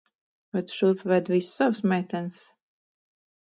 Vai tu šurp ved visas savas meitenes?